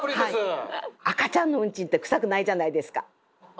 赤ちゃんのうんちって臭くないじゃないですか。